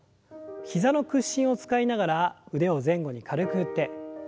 膝の屈伸を使いながら腕を前後に軽く振って。